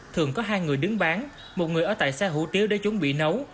thường có hai người đứng bán một người ở tại xe hủ tiếu để chuẩn bị nấu